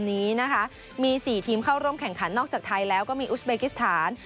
นี้นะคะมี๔ทีมเข้าร่วมแข่งขันนอกจากไทยแล้วก็มีอุสเบกิสถาน